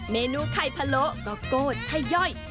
เมนูไข่พะโลก็โกรธใช่ย่อย